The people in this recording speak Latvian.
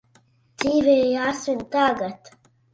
Dzīve ir jāsvin tagad!